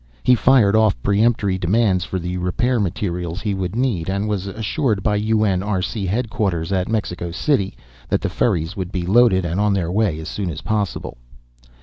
He fired off peremptory demands for the repair materials he would need, and was assured by UNRC headquarters at Mexico City that the ferries would be loaded and on their way as soon as possible.